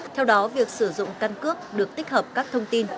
theo đó việc sử dụng căn cước được tích hợp các thông tin